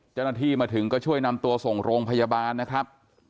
เจ้าหน้าที่มาถึงก็ช่วยนำตัวส่งโรงพยาบาลนะครับ